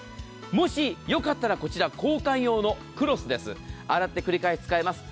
もしよかったら交換用のクロス洗って繰り返し使えます。